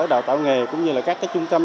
đào tạo nghề cũng như là các trung tâm